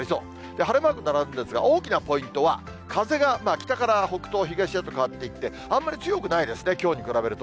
晴れマーク並んでるんですが、大きなポイントは、風が、北から北東、東へと変わっていって、あんまり強くないですね、きょうに比べると。